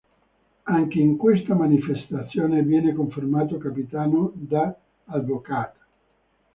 Anche in questa manifestazione, viene confermato capitano da Advocaat.